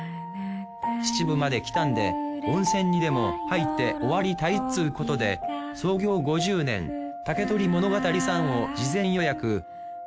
秩父まで来たんで温泉にでも入って終わりたいっつうことで創業５０年竹取物語さんを事前予約。